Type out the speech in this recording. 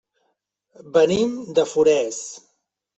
Venim de Forès.